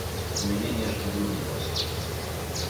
У мяне нешта дурнілася.